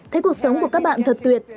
thấy cuộc sống của các bạn thật tuyệt